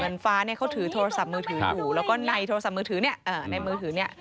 ลานฟ้าเนี่ยเขาถือทรสับเมือถืออยู่และก็ในทรสับเมือถือนะงั้นเนี่ย